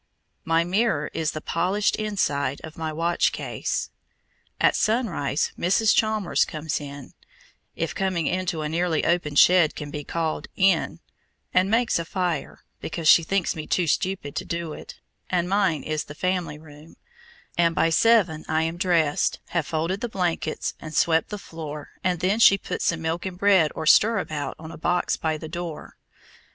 My mirror is the polished inside of my watchcase. At sunrise Mrs. Chalmers comes in if coming into a nearly open shed can be called IN and makes a fire, because she thinks me too stupid to do it, and mine is the family room; and by seven I am dressed, have folded the blankets, and swept the floor, and then she puts some milk and bread or stirabout on a box by the door.